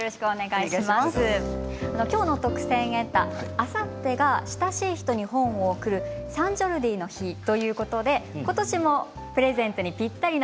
あさってが親しい人に本を贈るサンジョルディの日ということで今年もプレゼントにぴったりの